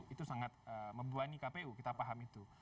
itu sangat membebani kpu kita paham itu